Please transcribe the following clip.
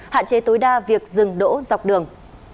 hạn chế tối đa việc dừng đỗ dọc đường